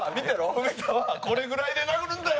「文田はこれぐらいで殴るんだよ！」